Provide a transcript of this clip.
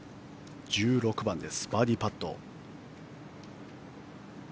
１６番です、バーディーパット。